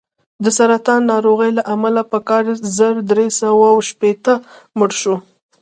د سرطان ناروغۍ له امله په کال زر درې سوه شپېته مړ شو.